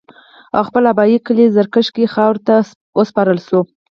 او خپل ابائي کلي زَړَه کښې خاورو ته اوسپارلے شو